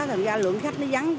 thành ra lượng khách nó vắng